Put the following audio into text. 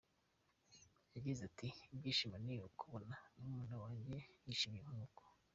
Yagize ati "Ibyishimo ni ukubona murumuna wanjye yishimye nk’uku.